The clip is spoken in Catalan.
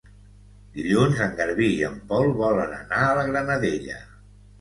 Dilluns en Garbí i en Pol volen anar a la Granadella.